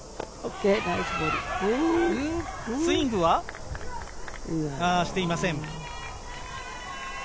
スイングはしていません。